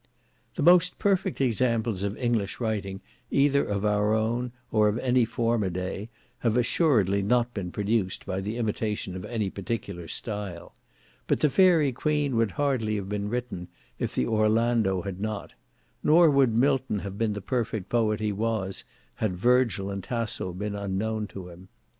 The most perfect examples of English writing, either of our own, or of any former day, have assuredly not been produced by the imitation of any particular style; but the Fairy Queen would hardly have been written, if the Orlando had not; nor would Milton have been the perfect poet he was, had Virgil and Tasso been unknown to him.